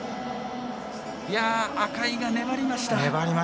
赤井が粘りました。